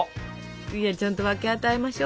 いやちゃんと分け与えましょう。